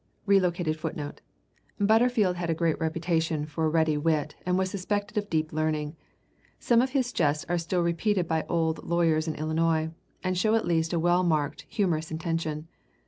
[Relocated Footnote: Butterfield had a great reputation for ready wit and was suspected of deep learning. Some of his jests are still repeated by old lawyers in Illinois, and show at least a well marked humorous intention.